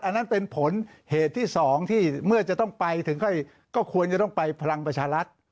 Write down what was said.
อันนั้นเป็นผลเหตุที่๒ที่เมื่อจะต้องไปถึงก็ควรจะต้องไปพลังประชารัฐ